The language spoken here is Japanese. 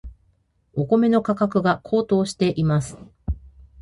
お米の価格が高騰しています。